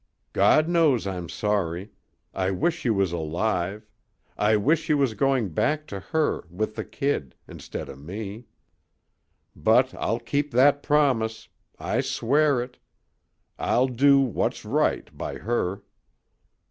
"God knows I'm sorry. I wish you was alive. I wish you was going back to her with the kid instid o' me. But I'll keep that promise. I swear it. I'll do what's right by her."